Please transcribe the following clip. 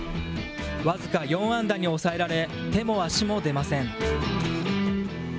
僅か４安打に抑えられ、手も足も出ません。